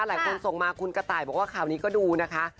ส่งมาคุณกระต่ายบอกว่าข่าวนี้ก็ดูนะคะ